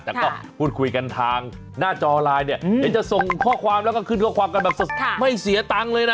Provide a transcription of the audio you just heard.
แต่ก็พูดคุยกันทางหน้าจอไลน์เนี่ยเดี๋ยวจะส่งข้อความแล้วก็ขึ้นข้อความกันแบบสดไม่เสียตังค์เลยนะ